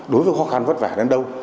đối với khó khăn vất vả đến đâu